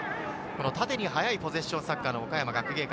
縦に速いポゼッションサッカーの岡山学芸館。